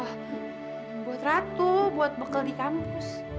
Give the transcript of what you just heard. oh buat ratu buat bekel di kampus